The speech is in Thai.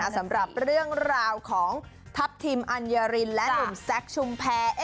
สำหรับเรื่องราวของทัพทิมอัญญารินและหนุ่มแซคชุมแพร